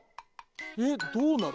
えっどうなる？